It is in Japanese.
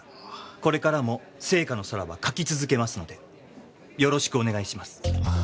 これからも『ＳＥＩＫＡの空』は描き続けますのでよろしくお願いします。